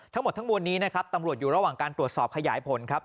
ทั้งหมดทั้งมวลนี้นะครับตำรวจอยู่ระหว่างการตรวจสอบขยายผลครับ